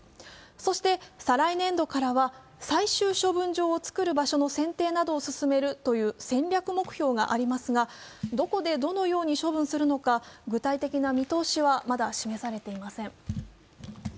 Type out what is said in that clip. そして、再来年度からは最終処分場を作る場所の選定などを進めるという戦略目標がありますが、どこでどのように処分するのか具体的な見通しはまだ示されていません。